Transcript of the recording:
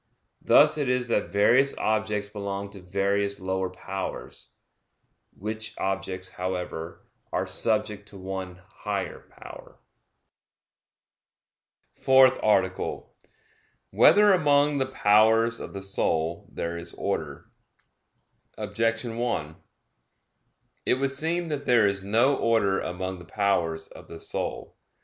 Thus it is that various objects belong to various lower powers; which objects, however, are subject to one higher power. _______________________ FOURTH ARTICLE [I, Q. 77, Art. 4] Whether Among the Powers of the Soul There Is Order? Objection 1: It would seem that there is no order among the powers of the soul.